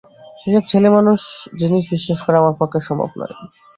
এইসব ছেলেমানুষ জিনিস বিশ্বাস করা আমার পক্ষে সম্ভব নয়।